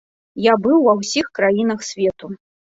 Я быў ва ўсіх краінах свету.